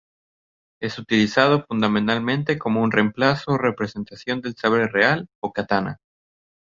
Es utilizado fundamentalmente como un reemplazo o representación del sable real o "katana".